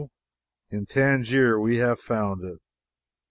In Tangier we have found it.